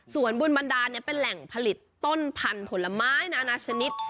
ส่วนบุญบันดาลเป็นแหล่งผลิตต้นพันธุ์ผลไม้นานาชนิด